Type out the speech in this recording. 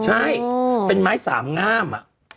ใช่เป็นไม้สามงาม